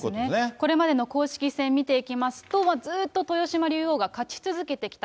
これまでの公式戦見ていきますと、ずっと豊島竜王が勝ち続けてきた。